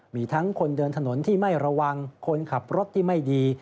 มีทั้งคนเดินถนนที่ไม่ระวังคนขับรถที่ไม่ดี